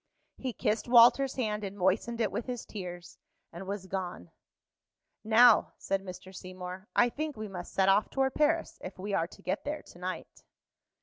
He kissed Walter's hand and moistened it with his tears, and was gone. "Now," said Mr. Seymour, "I think we must set off toward Paris, if we are to get there to night."